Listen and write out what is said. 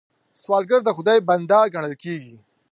سوالګر د خدای بنده ګڼل کېږي